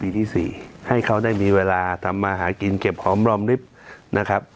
ที่๔ให้เขาได้มีเวลาทำมาหากินเก็บหอมรอมริบนะครับ